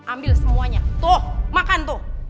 ambil semuanya tuh makan tuh